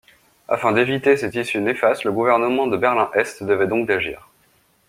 Afin d’éviter cette issue néfaste, le gouvernement de Berlin-Est se devait donc d’agir.